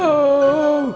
tidak ada orang yang datang